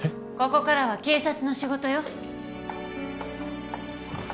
ここからは警察の仕事よ。